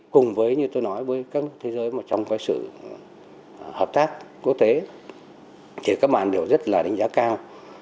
cùng với như tôi nói với các nước thế giới mà trong cái sự hợp tác quốc tế thì các bạn đều rất là đánh giá cao